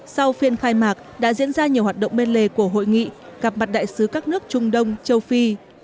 sau phiên khai mạc đã diễn ra nhiều hoạt động bên lề của hội nghị gặp mặt đại sứ các nước trung đông châu phi